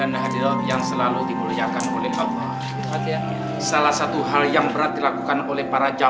nyesel tau tuh punya sulit solo